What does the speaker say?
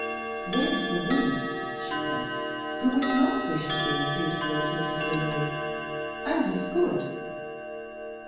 "Where is the woman," she said, "who would not wish to be as beautiful as Mrs. Linley and as good?"